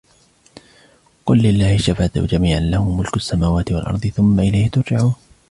قُلْ لِلَّهِ الشَّفَاعَةُ جَمِيعًا لَهُ مُلْكُ السَّمَاوَاتِ وَالْأَرْضِ ثُمَّ إِلَيْهِ تُرْجَعُونَ